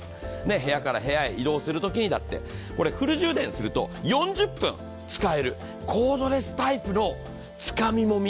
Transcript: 部屋から部屋へ移動するときにだってこれフル充電すると４０分使える、コードレスタイプのつかみもみ。